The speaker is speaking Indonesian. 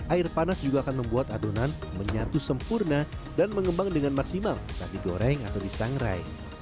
air panas juga akan membuat adonan menyatu sempurna dan mengembang dengan maksimal saat digoreng atau disangrai